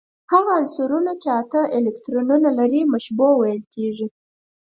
هغه عنصرونه چې اته الکترونونه لري مشبوع ویل کیږي.